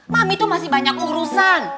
mami itu masih banyak urusan